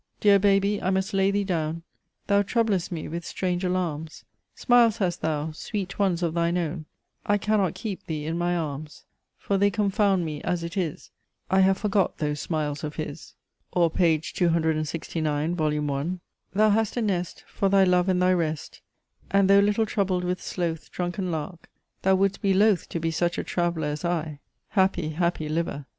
Dear Baby! I must lay thee down: Thou troublest me with strange alarms; Smiles hast thou, sweet ones of thine own; I cannot keep thee in my arms; For they confound me: as it is, I have forgot those smiles of his!" Or page 269, vol. I. "Thou hast a nest, for thy love and thy rest And though little troubled with sloth Drunken lark! thou would'st be loth To be such a traveller as I. Happy, happy liver!